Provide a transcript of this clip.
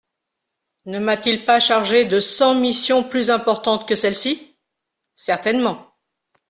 Ne m'a-t-il pas chargé de cent missions plus importantes que celle-ci ? Certainement.